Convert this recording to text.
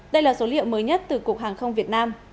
đây là số liệu mới nhất từ cục hàng không việt nam